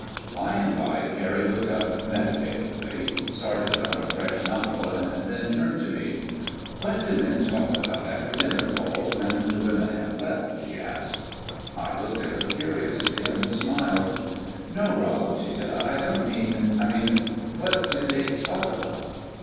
By and by Carrie looked up meditatively, started on a fresh knuckle, and then turned to me. "What do men talk about after dinner, Rol, when the women have left?" she asked. I looked at her curiously and smiled. "No, Rollo," she said, "I don't mean I mean, what do they talk about?"